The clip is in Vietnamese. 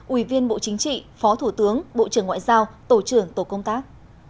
ủy viên bộ chính trị phó thủ tướng bộ trưởng ngoại giao tổ trưởng tổ công tác